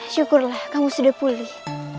syukurlah kamu sudah pulih